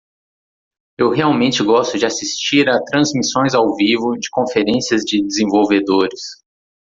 Eu realmente gosto de assistir a transmissões ao vivo de conferências de desenvolvedores.